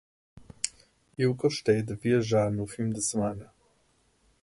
Eu gostei de viajar no fim de semana